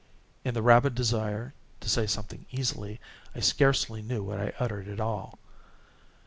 (In the rabid desire to say something easily, I scarcely knew what I uttered at all.)